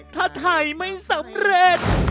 ถ้าถ่ายไม่สำเร็จ